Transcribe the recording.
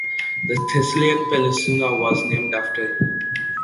The Thessalian peninsula was named after him.